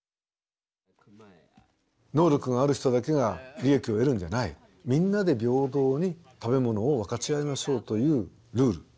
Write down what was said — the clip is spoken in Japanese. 能力がある人だけが利益を得るんじゃないみんなで平等に食べ物を分かち合いましょうというルール。